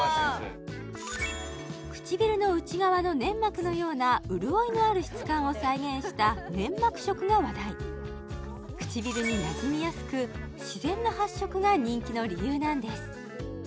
唇の内側の粘膜のような潤いのある質感を再現した粘膜色が話題唇になじみやすく自然な発色が人気の理由なんです